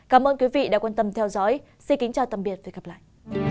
cảm ơn quý vị đã quan tâm theo dõi xin kính chào tạm biệt và hẹn gặp lại